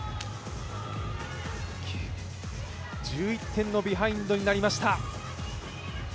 １１点のビハインドになりました。